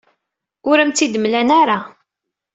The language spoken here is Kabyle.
Ur am-tt-id-mlan ara.